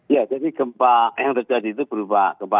ya jadi gempa yang terjadi itu berupa gempa